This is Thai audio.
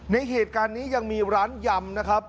ในเหตุการณ์นี้ยังมีร้านยำนะครับ